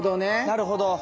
なるほど！